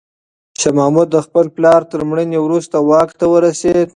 شاه محمود د خپل پلار تر مړینې وروسته واک ته ورسېد.